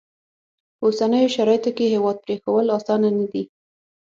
په اوسنیو شرایطو کې هیواد پرېښوول اسانه نه دي.